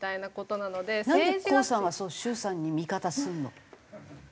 なんで高さんはそう習さんに味方するの？